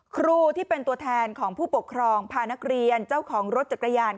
ครูที่เป็นตัวแทนของผู้ปกครองพานักเรียนเจ้าของรถจักรยาน